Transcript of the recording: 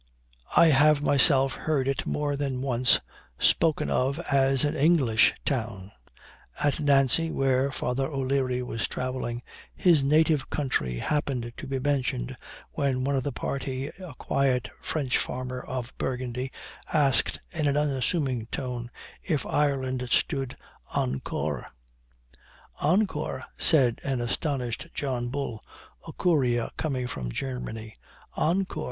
I have myself heard it more than once spoken of as an English town. At Nancy, where Father O'Leary was travelling, his native country happened to be mentioned when one of the party, a quiet French farmer of Burgundy, asked, in an unassuming tone, 'If Ireland stood encore?' 'Encore,' said an astonished John Bull, a courier coming from Germany 'encore!